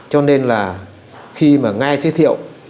cho nên là khi mà nghe giới thiệu